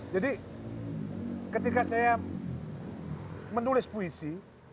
jadi ketika saya menulis puisi